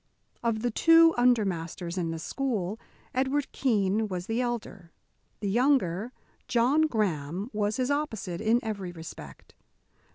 Of the two under masters in the school, Edward Keene was the elder. The younger, John Graham, was his opposite in every respect.